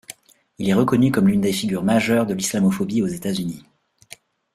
Il est reconnu comme l'une des figures majeures de l'islamophobie aux États-Unis.